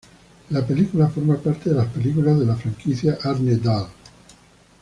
La película forma parte de las películas de la franquicia "Arne Dahl".